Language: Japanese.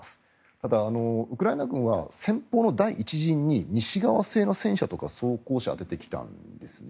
ただ、ウクライナ軍は先方の第１陣に西側製の戦車とか走行車を充ててきたんですね。